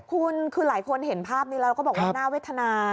คุณคือหลายคนเห็นภาพนี้แล้วก็บอกว่าน่าเวทนา